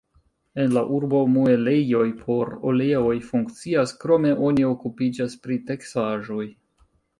En la urbo muelejoj por oleoj funkcias, krome oni okupiĝas pri teksaĵoj.